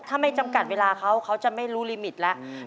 ถ้าไม่จำกัดเวลาเขาเขาจะไม่รู้ลิมิตแล้ว